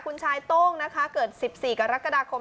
คุณชายโต้งนะคะเกิด๑๔กรกฎาคม